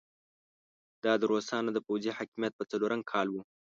دا د روسانو د پوځي حاکميت په څلورم کال وو.